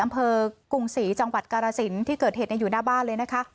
อำเภอกรุงศรีย์จังหวัดกรสินที่เกิดเหตุในอยู่หน้าบ้านเลยนะคะ